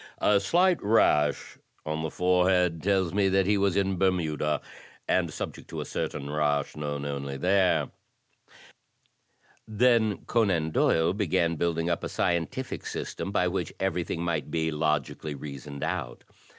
A slight rash on the forehead tells me that he was in Bermuda, and subject to a certain rash known only there." Then Conan Doyle began building up a scientil&c system by which everything might be logically reasoned out.